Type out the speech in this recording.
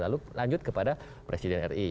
lalu lanjut kepada presiden ri